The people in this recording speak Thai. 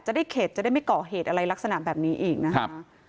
ได้เข็ดจะได้ไม่เกาะเหตุอะไรลักษณะแบบนี้อีกนะคะ